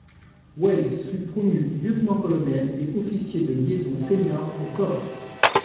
Wells fut promu lieutenant-colonel et officier de liaison senior au corps.